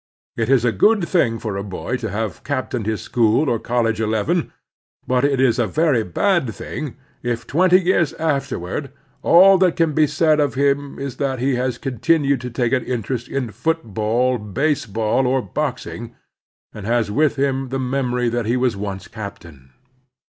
It is a good thing for a boy to have captained his school or college eleven, but it is a very bad thing if, twenty years afterward, all that can be said of him is that he has continued to take an interest in football, baseball, or boxing, and has with him the memory that he was once captain.